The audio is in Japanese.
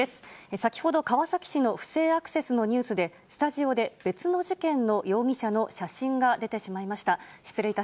先ほど、川崎市の不正アクセスのニュースで、スタジオで別の事件の容疑者の写真が出てしまいました。